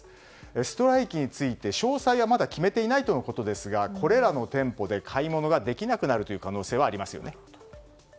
ストライキについて詳細はまだ決めていないとのことですがこれらの店舗で買い物ができなくなる可能性はありますね。